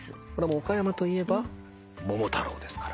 岡山といえば『桃太郎』ですから。